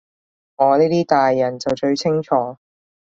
我呢啲大人就最清楚